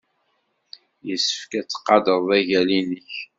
Yessefk ad tqadred agal-nnek.